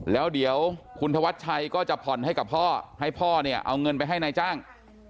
แล้วเดี๋ยวคุณธวัชชัยก็จะผ่อนให้กับพ่อให้พ่อเนี่ยเอาเงินไปให้นายจ้าง